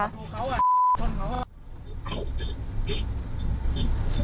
อ้าวไอ้